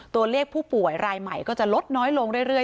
ตัวเลขผู้ป่วยรายใหม่ก็จะลดน้อยลงเรื่อย